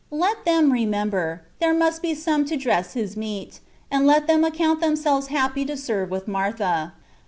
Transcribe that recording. Let them remember, there must be some to dress His meat, and let them account themselves happy to serve with Martha.